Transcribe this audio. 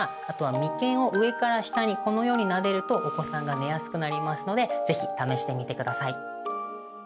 あとは眉間を上から下にこのようになでるとお子さんが寝やすくなりますので是非試してみてください。